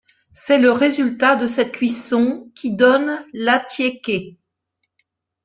C'est le résultat de cette cuisson qui donne l'attiéké.